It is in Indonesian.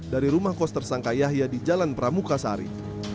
dari rumah kos tersangka yahya di jalan pramuka sari